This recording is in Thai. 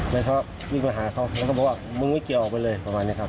แล้วเขาวิ่งไปหาเขาแล้วก็บอกว่ามึงไม่เกี่ยวออกไปเลยประมาณนี้ครับ